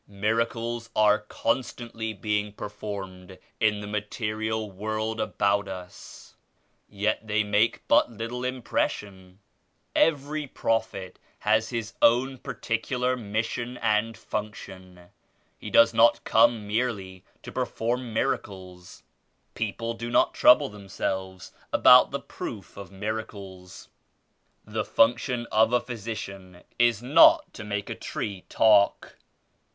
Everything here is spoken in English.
"Mir acles are constantly being performed in the ma terial world about us, yet they make but little impression. Ev£ry*Pfophet;h^^ fjis own par ticular Mission ^ridfurictioh. Heyoes not come merely to perfonrimitUdles^^ '^ People do not trouble themselves abdtft'die |>fopf of miracles. The function of a t)hys*cian i^ not to make a tree talk."